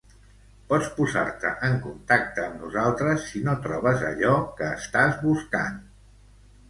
Pots posar-te en contacte amb nosaltres si no trobes allò que estàs buscant.